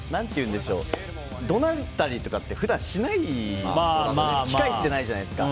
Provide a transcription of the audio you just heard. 怒鳴ったりとかって普段しないというか機会がないじゃないですか。